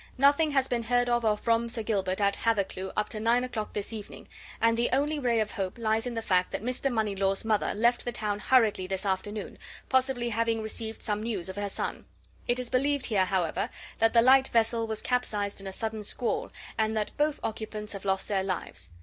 Nothing has been heard of, or from, Sir Gilbert at Hathercleugh up to nine o'clock this evening, and the only ray of hope lies in the fact that Mr. Moneylaws' mother left the town hurriedly this afternoon possibly having received some news of her son. It is believed here, however, that the light vessel was capsized in a sudden squall, and that both occupants have lost their lives.